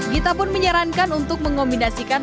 gita pun menyarankan untuk mengombinasikan